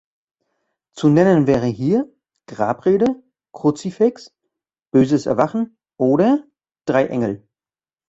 Zu nennen wären hier "Grabrede", "Kruzifix", "Böses Erwachen" oder "Drei Engel".